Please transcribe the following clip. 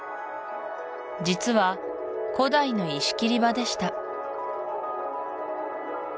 実は古代の石切り場でした